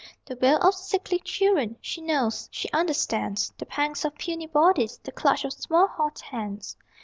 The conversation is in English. The wail of sickly children She knows; she understands The pangs of puny bodies, The clutch of small hot hands.